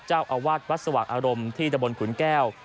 เจ้าอาวาสวัดสว่างอารมณ์ที่ตะบนขุนแก้ว